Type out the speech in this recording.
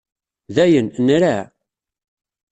Dayen, nraɛ.